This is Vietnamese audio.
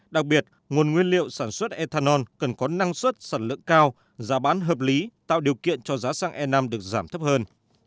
đặc biệt nguồn nguyên liệu sản xuất ethanol cần có năng suất sản lượng cao giá bán hợp lý tạo điều kiện cho giá xăng e năm được giảm thấp hơn